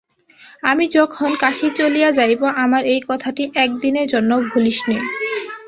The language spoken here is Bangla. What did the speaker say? আমি যখন কাশী চলিয়া যাইব, আমার এই কথাটি একদিনের জন্যও ভুলিস নে।